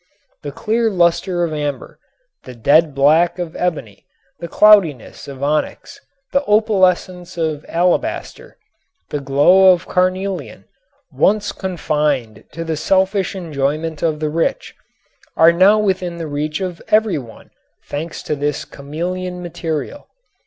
The clear luster of amber, the dead black of ebony, the cloudiness of onyx, the opalescence of alabaster, the glow of carnelian once confined to the selfish enjoyment of the rich are now within the reach of every one, thanks to this chameleon material.